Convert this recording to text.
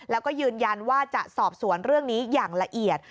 แล้วก็ยืนยันว่าจะสอบสวนเรื่องนี้อย่างละเอียด